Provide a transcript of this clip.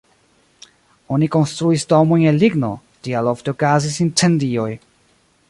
Oni konstruis domojn el ligno, tial ofte okazis incendioj.